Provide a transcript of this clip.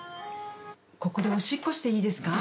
ここでおしっこしていいですか？